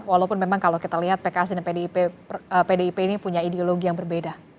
walaupun memang kalau kita lihat pks dan pdip ini punya ideologi yang berbeda